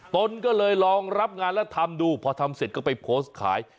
ตนก็เลยลองรับงานแล้วทำดูพอทำเสร็จก็ไปโพสต์ขาย